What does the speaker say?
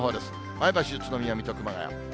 前橋、宇都宮、水戸、熊谷。